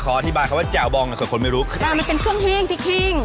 ขออธิบายคำว่าเจ๋วบองกับคนไม่รู้แล้วมันเป็นเครื่องทิ้งพริกทิ้ง